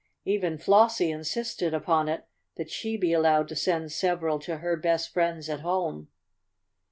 Even Flossie insisted upon it that she be allowed to send several to her best friends at home.